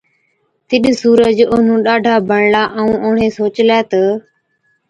تِڏ سُورج اونهُون ڏاڍا بڻلا، ائُون اُڻهين سوچلَي تہ،